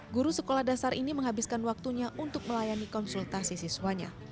guru sekolah dasar ini menghabiskan waktunya untuk melayani konsultasi siswanya